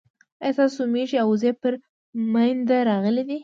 ايا ستاسي ميږي او وزې پر مينده راغلې دي